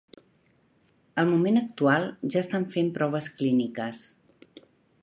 Al moment actual, ja estan fen proves clíniques.